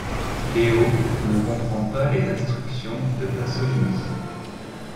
Léaud ne comprend pas les instructions de Pasolini.